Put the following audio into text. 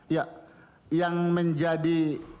ya yang menjadi